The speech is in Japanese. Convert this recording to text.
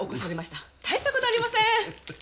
たいしたことありません！